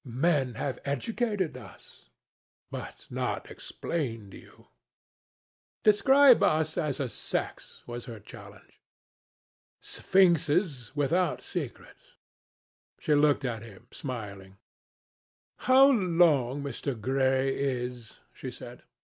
"Men have educated us." "But not explained you." "Describe us as a sex," was her challenge. "Sphinxes without secrets." She looked at him, smiling. "How long Mr. Gray is!" she said.